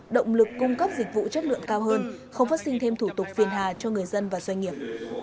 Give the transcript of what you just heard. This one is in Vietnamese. động lực cung cấp dịch vụ chất lượng cao hơn không phát sinh thêm thủ tục phiền hà cho người dân và doanh nghiệp